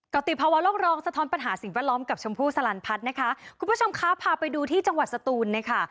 ติภาวะโลกรองสะท้อนปัญหาสิ่งแวดล้อมกับชมพู่สลันพัฒน์นะคะคุณผู้ชมคะพาไปดูที่จังหวัดสตูนนะคะ